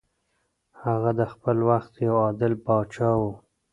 هغه د خپل وخت یو عادل پاچا و.